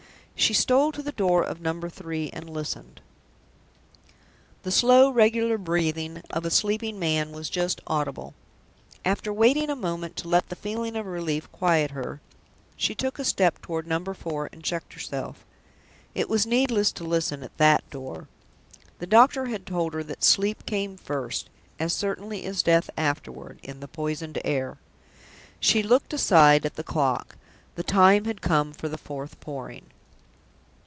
She stole to the door of Number Three and listened. The slow, regular breathing of a sleeping man was just audible. After waiting a moment to let the feeling of relief quiet her, she took a step toward Number Four, and checked herself. It was needless to listen at that door. The doctor had told her that Sleep came first, as certainly as Death afterward, in the poisoned air. She looked aside at the clock. The time had come for the fourth Pouring.